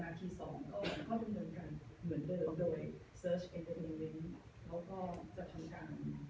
อะไรก็ให้เสร็จคุณพิมพ์ค่ะอยู่ในคำที่เดิมที่มันคือคำเบิร์ดฉายอะไรอย่าง